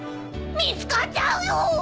見つかっちゃうよ！